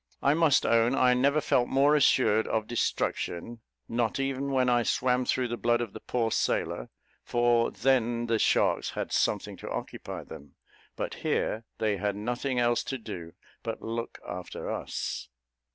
I must own I never felt more assured of destruction, not even when I swam through the blood of the poor sailor; for then the sharks had something to occupy them, but here they had nothing else to do but to look after us.